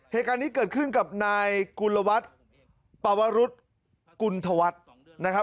เหตุการณ์นี้เกิดขึ้นกับนายกุลวัฒน์ปวรุษกุณฑวัฒน์นะครับ